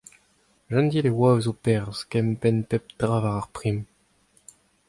Jentil e oa eus ho perzh kempenn pep tra war ar prim.